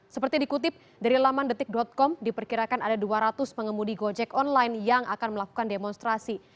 seperti dikutip dari laman detik com diperkirakan ada dua ratus pengemudi gojek online yang akan melakukan demonstrasi